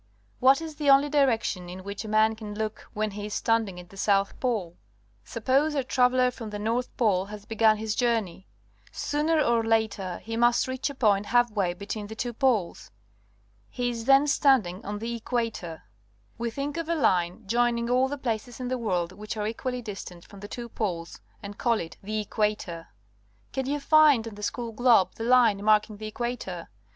\Miat is the only direction in which a man can look when he is standing at the south pole? Suppose our traveller from the north pole has begun his journey. Sooner or later he must reach a point half way between the two poles. He is then standing on the Equator. We think of a line joining all the places in the world which are equally distant from the two poles and call it the equator. Can you find on the school globe the line marking the equator?